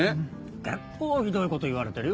結構ひどい事言われてるよ